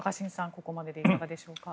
ここまででいかがでしょうか。